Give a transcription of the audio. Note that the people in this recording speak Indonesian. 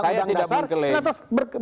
saya tidak mau klaim